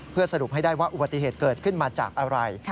เพื่อสรุปให้ได้ว่าอุบัติเหตุเกิดขึ้นมาจากอะไร